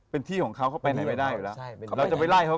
เป็นที่ของเขาเขาไปไหนไม่ได้อยู่แล้ว